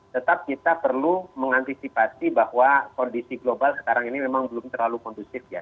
tetap kita perlu mengantisipasi bahwa kondisi global sekarang ini memang belum terlalu kondusif ya